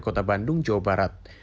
kota bandung jawa barat